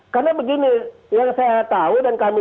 karena begini yang saya tahu dan kami